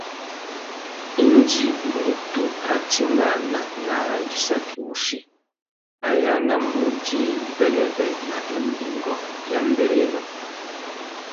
Indi mutu a timbāna nà arandissaki wussi, a yānamú udjï bênêbê nà imbîngô ya mbérénô.